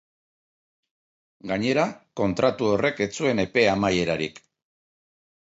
Gainera, kontratu horrek ez zuen epe amaierarik.